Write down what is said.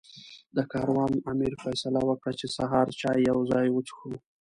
د کاروان امیر فیصله وکړه چې سهار چای یو ځای وڅښو.